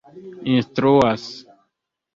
instruas